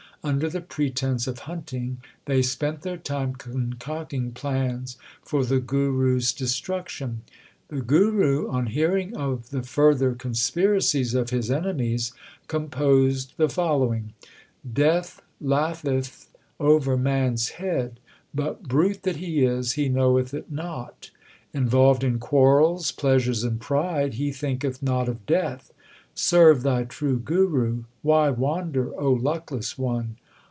Under the pretence of hunting they spent their time concocting plans for the Guru s destruction. The Guru, on hearing of the further conspiracies of his enemies, composed the following : Death laugheth over man s head, but, brute that he is, he knoweth it not. Involved in quarrels, pleasures, and pride, he thinketh not of death. Serve thy true Guru ; why wander, O luckless one